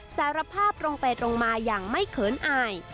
สารภาพตรงไปตรงมาอย่างไม่เขินอาย